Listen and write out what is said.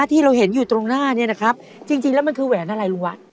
ที่เราเห็นอยู่ตรงหน้าเนี่ยนะครับจริงแล้วมันคือแหวนอะไรลุงวัด